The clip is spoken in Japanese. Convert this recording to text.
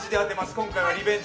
今回はリベンジ。